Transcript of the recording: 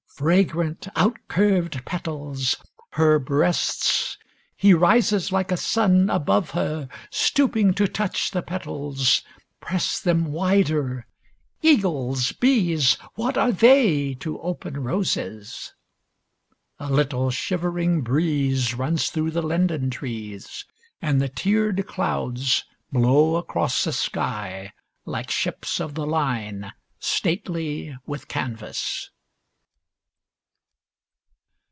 Fragrant, outcurved petals her breasts. He rises like a sun above her, stooping to touch the petals, press them wider. Eagles. Bees. What are they to open roses! A little shivering breeze runs through the linden trees, and the tiered clouds blow across the sky like ships of the line, stately with canvas.